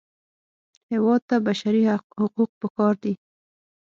هېواد ته بشري حقوق پکار دي